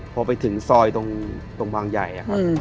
พอไปถึงซอยตรงบางใหญ่ครับ